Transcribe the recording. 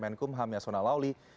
menkum ham yasona lawli